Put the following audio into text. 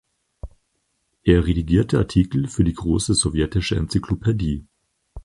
Er redigierte Artikel für die Große Sowjetische Enzyklopädie.